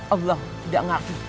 allah tidak ngaku